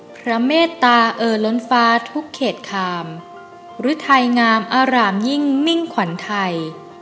เมตตาเออล้นฟ้าทุกเขตคามหรือไทยงามอารามยิ่งมิ่งขวัญไทย